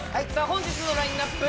本日のラインナップ